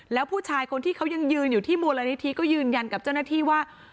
แล้วผู้ชายคนที่เขายังยืนอยู่ที่มูลนิธิก็ยืนยันกับเจ้าหน้าที่ว่า